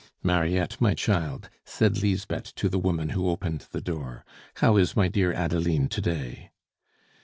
"Mariette, my child," said Lisbeth to the woman who opened the door, "how is my dear Adeline to day?"